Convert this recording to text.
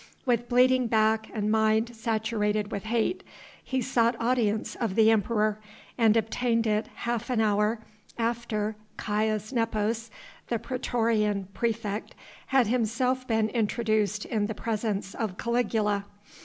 With bleeding back and mind saturated with hate, he sought audience of the Emperor, and obtained it half an hour after Caius Nepos, the praetorian praefect, had himself been introduced in the presence of Caligula.